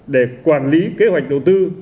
để quản lý kế hoạch đầu tư